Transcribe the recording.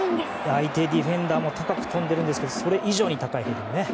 相手ディフェンダーも高く跳んでいるんですがそれ以上に高いヘディング。